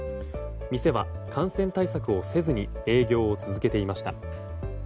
店は、感染対策をせずに営業を続けていました。